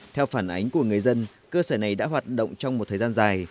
theo phản ánh của người dân cơ sở này đã hoạt động trong một thời gian dài